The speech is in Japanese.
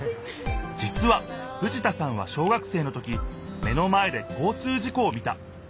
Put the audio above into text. じつは藤田さんは小学生の時目の前で交通事故を見た。